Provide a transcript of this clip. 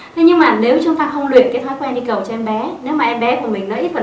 thế nhưng mà nếu chúng ta không luyện cái thói quen đi cầu cho em bé nếu mà em bé của mình nó ít vận